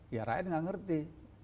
ya rakyat tidak mengerti